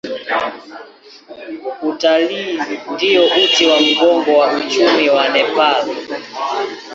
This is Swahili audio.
Utalii ndio uti wa mgongo wa uchumi wa Nepal.